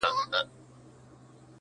د پنسل رسم يم په څاڅکو د اوبو ورانېږم